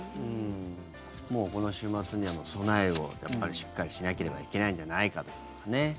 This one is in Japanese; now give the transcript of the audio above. もうこの週末には、備えをしっかりしなければいけないんじゃないかとね。